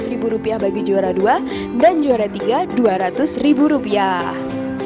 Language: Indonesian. seratus ribu rupiah bagi juara dua dan juara tiga dua ratus ribu rupiah